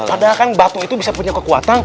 padahal kan batu itu bisa punya kekuatan